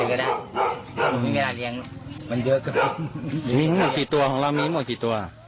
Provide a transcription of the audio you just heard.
เอาไปเลยก็ได้มันเยอะกว่ามีหมดกี่ตัวของเรามีหมดกี่ตัว